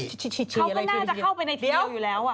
เขาก็น่าจะเข้าไปในเที่ยวอยู่แล้ว